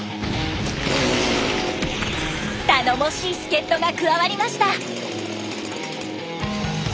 頼もしい助っとが加わりました。